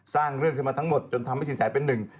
สร้างเรื่องขึ้นมาทั้งหมดจนทำให้สินแสเป็นหนึ่ง